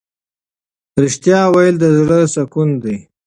ریښتیا ویل د زړه سکون دی.